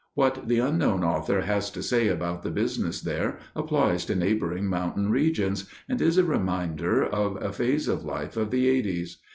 What the unknown author has to say about the business there applies to neighboring mountain regions, and is a reminder of a phase of life of the 'eighties.